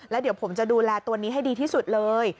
แล้วเดี๋ยวผมจะดูแลตัวนี้ให้ดีที่สุดเลย